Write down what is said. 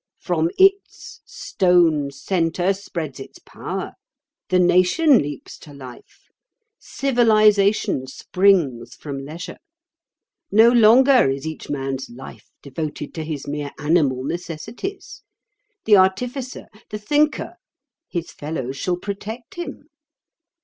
From its stone centre spreads its power; the Nation leaps to life; civilisation springs from leisure; no longer is each man's life devoted to his mere animal necessities. The artificer, the thinker—his fellows shall protect him.